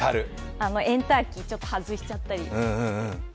エンターキー、ちょっと外しちゃったり。